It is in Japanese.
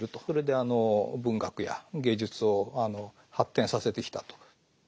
それであの文学や芸術を発展させてきたと。